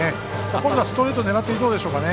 今度はストレート狙っていくでしょうね。